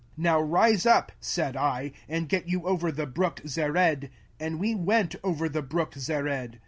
05:002:013 Now rise up, said I, and get you over the brook Zered. And we went over the brook Zered.